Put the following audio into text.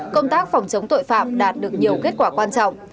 công tác phòng chống tội phạm đạt được nhiều kết quả quan trọng